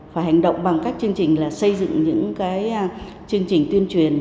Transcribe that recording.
phải hành động bằng các chương trình là xây dựng những chương trình tuyên truyền